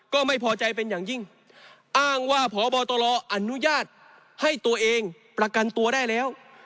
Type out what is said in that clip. ก็ไม่พอใจเป็นอย่างยิ่งอ้างว่าพบตรอนุญาตให้ตัวเองประกันตัวได้แล้ว